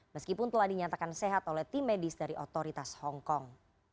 meskipun telah dinyatakan sehat oleh tim medis dari otoritas hongkong